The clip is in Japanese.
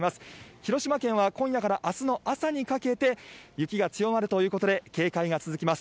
広島県は今夜からあすの朝にかけて、雪が強まるということで、警戒が続きます。